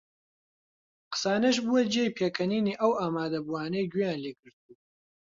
قسانەش بووە جێی پێکەنینی ئەو ئامادەبووانەی گوێیان لێ گرتبوو